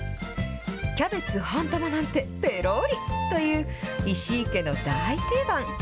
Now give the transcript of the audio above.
キャベツ半玉なんてぺろりという、石井家の大定番。